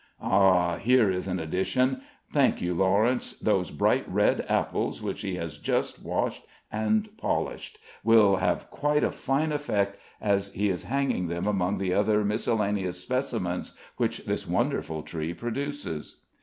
Ah! here is an addition; thank you, Lawrence; those bright red apples, which he has just washed and polished, will have quite a fine effect, as he is hanging them among the other miscellaneous specimens which this wonderful tree produces.